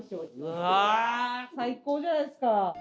うわ最高じゃないですか。